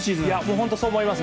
本当、そう思います。